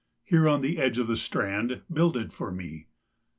Here on the edge of the strand Build it for me.